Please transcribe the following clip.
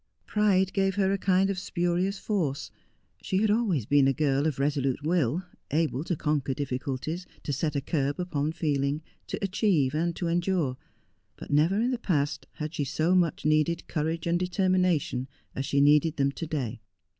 Pride gave her a kind of spurious force. She had always been a girl of resolute will, able to conquer difficulties, to set a curb upon feeling, to achieve and to endure ; but never in the past had she so much needed courage and determination as she needed them to day.